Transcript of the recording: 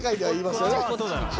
はい。